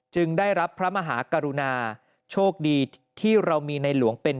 ได้รับพระมหากรุณาโชคดีที่เรามีในหลวงเป็น